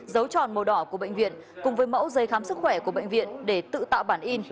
dấu tròn màu đỏ của bệnh viện cùng với mẫu giấy khám sức khỏe của bệnh viện để tự tạo bản in